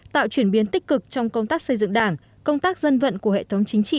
tạo chuyển biến tích cực trong công tác xây dựng đảng công tác dân vận của hệ thống chính trị